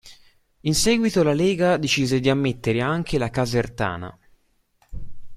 In seguito, la Lega decise di ammettere anche la Casertana.